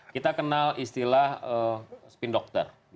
kita kenal istilah spin doctor